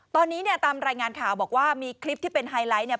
ตอนนี้เนี่ยตามรายงานข่าวบอกว่ามีคลิปที่เป็นไฮไลท์เนี่ย